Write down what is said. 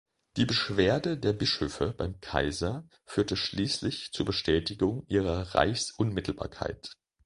Die Beschwerde der Bischöfe beim Kaiser führte schließlich zur Bestätigung ihrer Reichsunmittelbarkeit.